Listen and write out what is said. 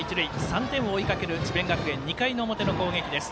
３点を追いかける智弁学園２回の表の攻撃です。